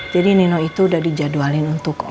jadi nino itu udah dijadwalin untuk operasi